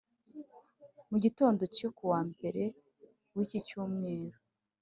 mu gitondo cyo kuwa Mbere w’iki cyumweru